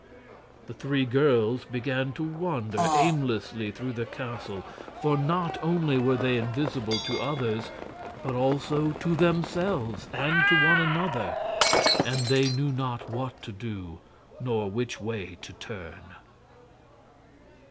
The three girls began to wander aimlessly through the castle; for not only were they invisible to others, but also to themselves and to one another, and they knew not what to do nor which way to turn.